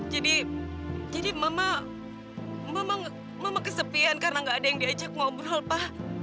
jadi jadi mama mama kesepian karena gak ada yang diajak ngobrol pa